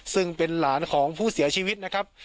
ซึ่งเป็นหลานของผู้เสียชีวิตนะครับ